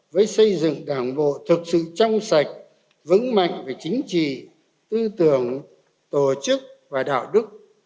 với xây dựng đảng bộ thực sự trong sạch vững mạnh về chính trị tư tưởng tổ chức và đạo đức